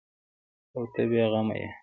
او ته بې غمه یې ؟